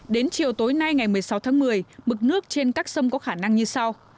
đến chiều tối nay ngày một mươi sáu tháng một mươi mực nước trên các sông có khả năng như sau